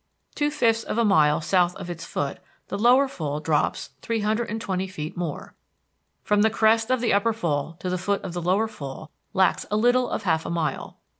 Two fifths of a mile south of its foot, the Lower Fall drops three hundred and twenty feet more. From the crest of the Upper Fall to the foot of the Lower Fall lacks a little of half a mile.